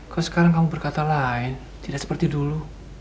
kok sekarang kamu berkata lain tidak seperti dulu